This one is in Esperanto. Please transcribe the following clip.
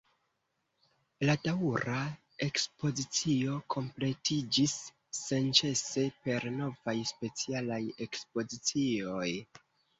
La daŭra ekspozicio kompletiĝis senĉese per novaj specialaj ekspozicioj.